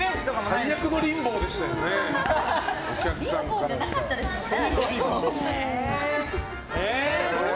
リンボーじゃなかったですもんね。